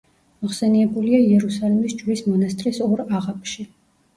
მოხსენიებულია იერუსალიმის ჯვრის მონასტრის ორ აღაპში.